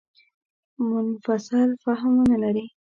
منفصل فهم ونه لري.